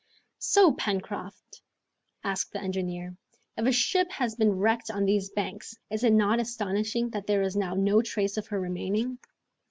"So, Pencroft," asked the engineer, "if a ship has been wrecked on these banks, is it not astonishing that there is now no trace of her remaining?"